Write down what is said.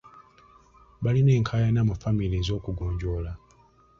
Balina enkaayana mu famire ez'okugonjoola.